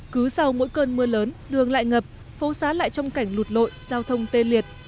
cứ sau mỗi cơn mưa lớn đường lại ngập phố xá lại trong cảnh lụt lội giao thông tê liệt